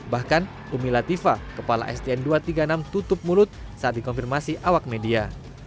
bahkan umi latifa kepala sdn dua ratus tiga puluh enam tutup mulut saat dikonfirmasi awak media